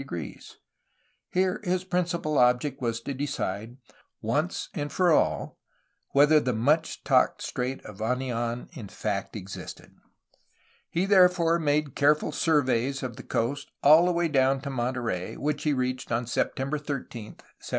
Here his principal object was to decide, once for all, whether the much talked of Strait of Anian in fact existed. He therefore made careful surveys of the coast all the way down to Mon terey, which he reached on September 13, 1791.